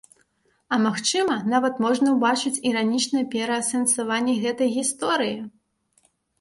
А магчыма, нават можна ўбачыць іранічнае пераасэнсаванне гэтай гісторыі.